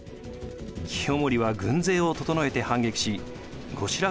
清盛は軍勢を整えて反撃し後白河上皇らを奪還。